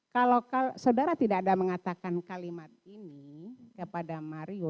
kalau saudara tidak ada mengatakan kalimat ini kepada mario